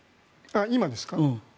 今ですか？